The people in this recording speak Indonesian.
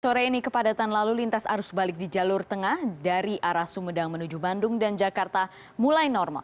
sore ini kepadatan lalu lintas arus balik di jalur tengah dari arah sumedang menuju bandung dan jakarta mulai normal